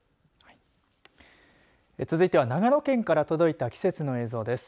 続いては、長野県から届いた季節の映像です。